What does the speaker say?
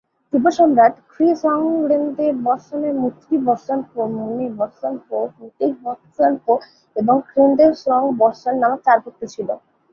তিব্বত সম্রাট খ্রি-স্রোং-ল্দে-ব্ত্সানের মু-ত্রি-ব্ত্সান-পো, মু-নে-ব্ত্সান-পো, মু-তিগ-ব্ত্সান-পো এবং খ্রি-ল্দে-স্রোং-ব্ত্সান নামক চার পুত্র ছিল।